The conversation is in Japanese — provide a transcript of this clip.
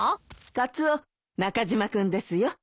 カツオ中島君ですよ。